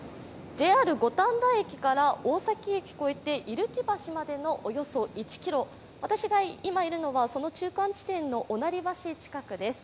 ＪＲＴ五反田駅から大崎駅を越えて居木橋までのおよそ１ｋｍ、私が今いるのはその中間地点の御成橋近くです。